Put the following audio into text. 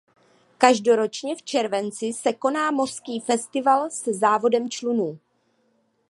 Každoročně v červenci se koná mořský festival se závodem člunů.